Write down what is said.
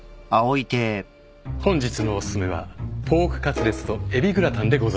本日のお薦めはポークカツレツとえびグラタンでございます。